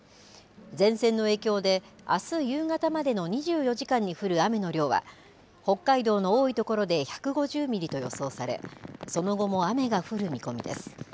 前線の影響であす夕方までの２４時間に降る雨の量は北海道の多いところで１５０ミリと予想されその後も雨が降る見込みです。